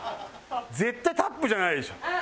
絶対タップじゃないでしょ。